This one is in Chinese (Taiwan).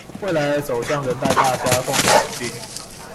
未來的走向仍待大家共同決定